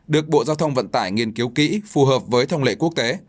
được bộ giao thông vận tải nghiên cứu kỹ phù hợp với thông lệ quốc tế